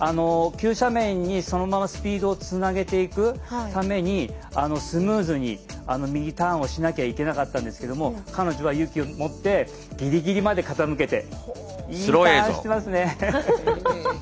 急斜面にそのままスピードをつなげていくためにスムーズに右ターンをしなきゃいけなかったんですけども彼女は勇気をもってぎりぎりまで傾けていいターンしてますね。